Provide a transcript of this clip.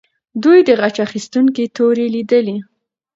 دوی د غچ اخیستونکې تورې لیدلې.